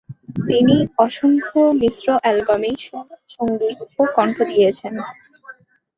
তিনি অসংখ্য মিশ্র অ্যালবামে সুর, সংগীত ও কণ্ঠ দিয়েছেন।